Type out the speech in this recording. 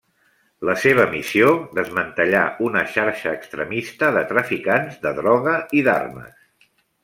La seva missió: desmantellar una xarxa extremista de traficants de droga i d'armes.